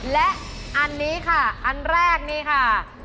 และอันนี้ค่ะอันแรกนี่ค่ะ